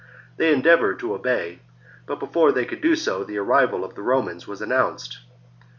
They endeavoured to obey ; but before they could do so the arrival of the Romans was announced.